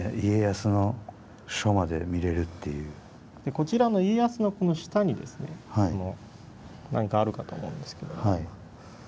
こちらの家康の下にですね何かあるかと思うんですけど。